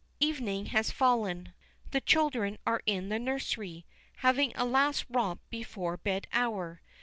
Evening has fallen. The children are in the nursery, having a last romp before bed hour.